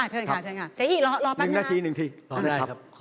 อ๋อเหรออ่าเชิญค่ะเชิญค่ะเศฮิรอปั๊บหน่อยค่ะ